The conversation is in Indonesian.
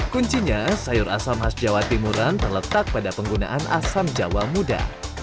kunci sayur asem jawa timuran terletak pada penggunaan asem jawa muda